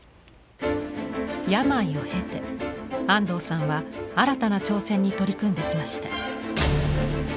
病を経て安藤さんは新たな挑戦に取り組んできました。